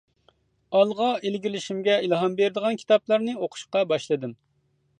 ئالغا ئىلگىرىلىشىمگە ئىلھام بېرىدىغان كىتابلارنى ئوقۇشقا باشلىدىم.